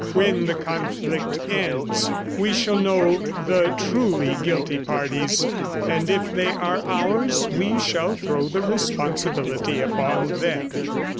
When the conflict ends, we shall know the truly guilty parties, and if they are ours we shall throw the responsibility upon them."